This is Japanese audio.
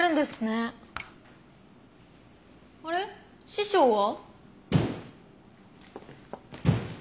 師匠は？